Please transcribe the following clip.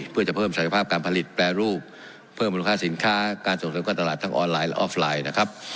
เพื่อจะเพิ่มศักยภาพการผลิตแปรรูปเพิ่มมูลค่าสินค้าการส่งเสริมการตลาดทั้งออนไลน์และออฟไลน์นะครับ